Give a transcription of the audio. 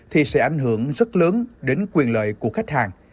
thì sẽ ảnh hưởng rất lớn đến quyền lợi của khách hàng